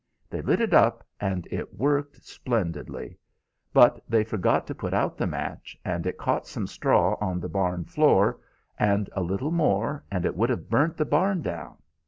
They lit it up, and it worked splendidly; but they forgot to put out the match, and it caught some straw on the barn floor, and a little more and it would have burnt the barn down.